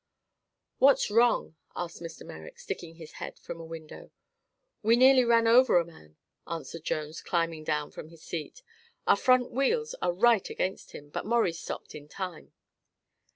"What's wrong?" asked Mr. Merrick, sticking his head from a window. "We nearly ran over a man," answered Jones, climbing down from his seat. "Our front wheels are right against him, but Maurie stopped in time."